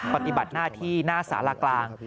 ปฏิบัติหน้าที่หน้าสารากลาง